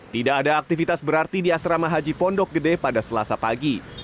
tidak ada aktivitas berarti di asrama haji pondok gede pada selasa pagi